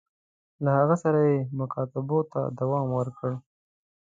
له هغوی سره یې مکاتبو ته دوام ورکړ.